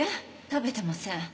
食べてません。